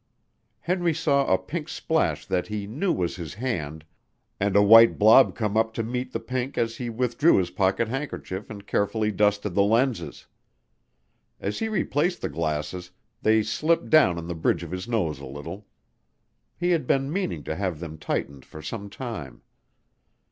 Henry saw a pink splash that he knew was his hand, and a white blob come up to meet the pink as he withdrew his pocket handkerchief and carefully dusted the lenses. As he replaced the glasses, they slipped down on the bridge of his nose a little. He had been meaning to have them tightened for some time.